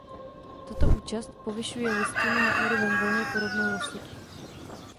Tato účast povyšuje listinu na úroveň velmi podobnou rozsudku.